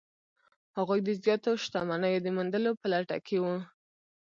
هغوی د زیاتو شتمنیو د موندلو په لټه کې وو.